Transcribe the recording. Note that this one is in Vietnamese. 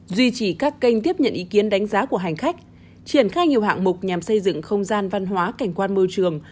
duy trì các kênh tiếp nhận ý kiến đánh giá của hành khách triển khai nhiều hạng mục nhằm xây dựng không gian văn hóa cảnh quan môi trường